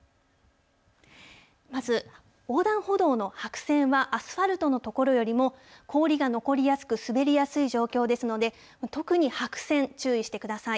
まず、横断歩道の白線はアスファルトの所よりも氷が残りやすく、滑りやすい状況ですので、特に白線、注意してください。